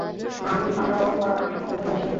হ্যাঁ, তুমি পান্ডা হও বা না-ই হও, কোনো সমস্যা নেই।